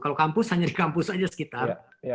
kalau kampus hanya di kampus saja sekitar